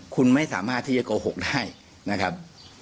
คุณไม่สามารถที่จะโกหกได้นะครับ